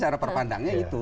cara perpandangnya itu